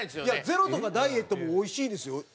いやゼロとかダイエットもおいしいですよ